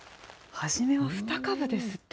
初めは２株ですって。